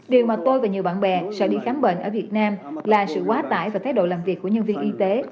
điều mà tôi và nhiều bạn bè sẽ đi khám bệnh ở việt nam là sự quá tải và thái độ làm việc của nhân viên y tế